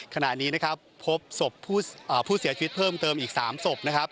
ขณะนี้พบผู้เสียชีวิตเพิ่มเติมอีก๓ศพ